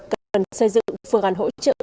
cần xây dựng phương hành hỗ trợ